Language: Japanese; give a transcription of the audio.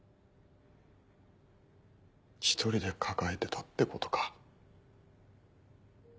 １人で抱えてたってことか。